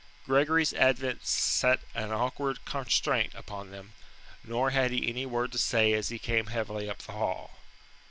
Gregory's advent set an awkward constraint upon them, nor had he any word to say as he came heavily up the hall.